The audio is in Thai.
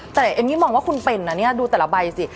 แต่เอมมี่มองว่าคุณเป็นนะเนี่ยดูแต่ละใบสิ